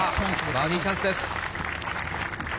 バーディーチャンスです。